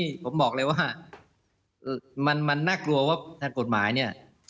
ข้อมูลบอกเลยว่าน่ากลัวว่าทางภาพกฎหมาย